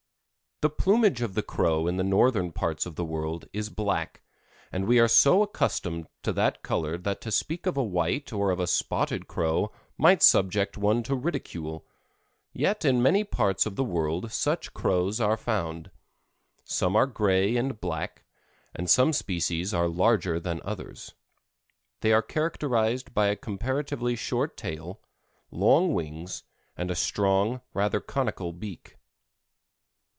The plumage of the Crow in the northern parts of the world is black, and we are so accustomed to that color that to speak of a white or of a spotted Crow might subject one to ridicule, yet in many parts of the world such Crows are found. Some are gray and black, and some species are larger than others. They are characterized by a comparatively short tail, long wings, and a strong, rather conical beak.